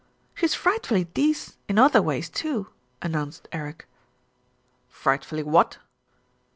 "She's frightfully dece in other ways, too," an nounced Eric. "Frightfully what?"